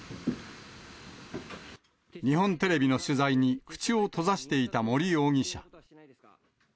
日本テレビの取材に、口を閉ざしていた森容疑者。